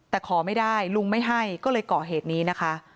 แต่ขอไม่ได้ลุงไม่ให้ก็เลยก่อเหตุนี้นะคะ